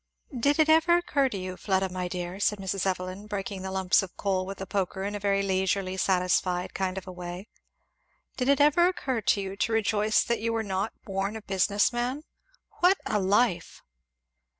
"Did it ever occur to you, Fleda my dear," said Mrs. Evelyn, breaking the lumps of coal with the poker in a very leisurely satisfied kind of a way, "Did it ever occur to you to rejoice that you were not born a business man? What a life!